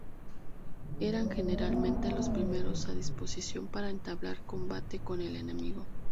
Eran generalmente los primeros a disposición para entablar combate con el enemigo.